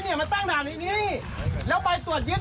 แล้วทางโค้งตั้งไว้ถ่ายไว้หมดเลย